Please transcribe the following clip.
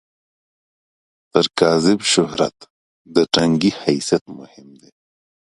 تر کاذب شهرت، د ټنګي حیثیت مهم دی.